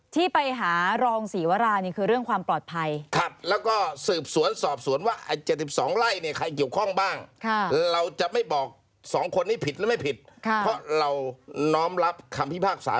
ที่ไปหารองศิวรานี่คือเรื่องความปลอดภัย